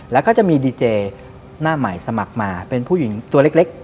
แล้วก็จะมีดีเจหน้าใหม่สมัครมาเป็นผู้หญิงตัวเล็ก